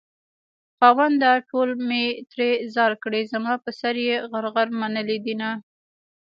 خاونده ټوله مې ترې ځار کړې زما په سر يې غرغرې منلي دينه